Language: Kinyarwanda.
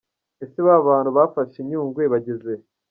Ese babantu bafashe Nyungwe bageze he?